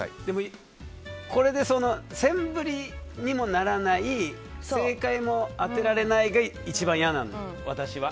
これで、センブリにもならない正解も当てられないのが一番嫌なの、私は。